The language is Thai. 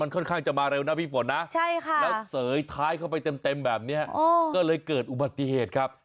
ก็เลยเกิดปฏิเหตุครับ